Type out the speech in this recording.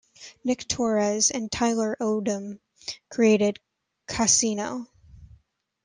Nick Torres and Tyler Odom created Cassino.